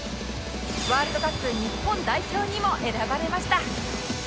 ワールドカップ日本代表にも選ばれました